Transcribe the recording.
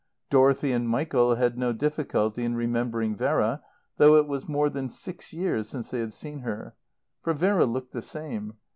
Dorothy and Michael had no difficulty in remembering Vera, though it was more than six years since they had seen her; for Vera looked the same.